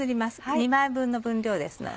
２枚分の分量ですので。